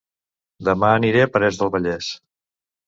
Dema aniré a Parets del Vallès